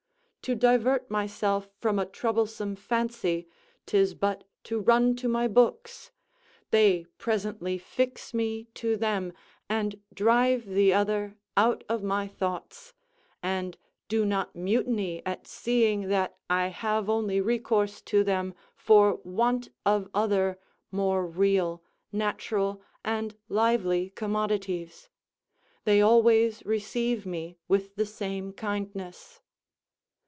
To divert myself from a troublesome fancy, 'tis but to run to my books; they presently fix me to them and drive the other out of my thoughts, and do not mutiny at seeing that I have only recourse to them for want of other more real, natural, and lively commodities; they always receive me with the same kindness.